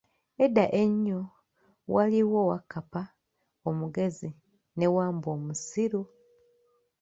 Edda enyo, waaliwo Wakkapa omugezi ne Wambwa omusiru.